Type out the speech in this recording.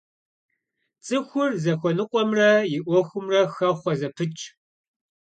ЦӀыхур зыхуэныкъуэмрэ и Ӏуэхумрэ хэхъуэ зэпытщ.